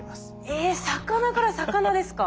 え魚から魚ですか。